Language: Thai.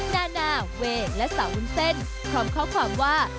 นานาเวย์และสาววุ้นเส้นพร้อมข้อความว่า